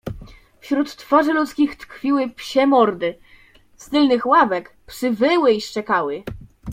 "Wśród twarzy ludzkich tkwiły psie mordy, z tylnych ławek psy wyły i szczekały."